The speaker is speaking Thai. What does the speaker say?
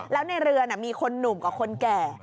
แล้วในเรือมีคนหนุ่มกับคนแก่